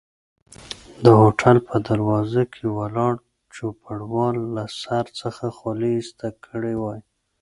د هوټل په دروازه کې ولاړ چوپړوال له سر څخه خولۍ ایسته کړي وای.